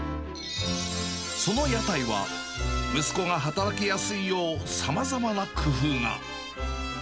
その屋台は、息子が働きやすいようさまざまな工夫が。